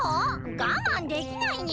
がまんできないにゃ？